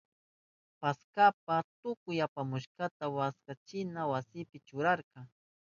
Paktashpan tukuy apamushkanta wakaychana wasipi churarka.